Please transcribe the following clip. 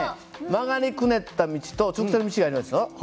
曲がりくねった道と直線の道がありますね。